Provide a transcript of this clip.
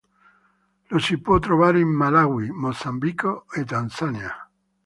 Lo si può trovare in Malawi, Mozambico, e Tanzania.